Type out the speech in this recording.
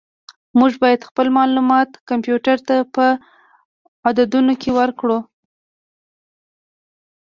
موږ باید خپل معلومات کمپیوټر ته په عددونو کې ورکړو.